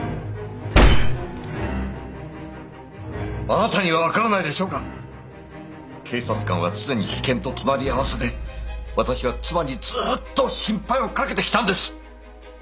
あなたには分からないでしょうが警察官は常に危険と隣り合わせで私は妻にずっと心配をかけてきたんです。